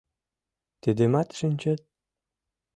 — Тидымат шинчет?